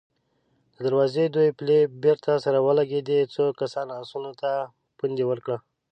د دروازې دوې پلې بېرته سره ولګېدې، څو کسانو آسونو ته پونده ورکړه.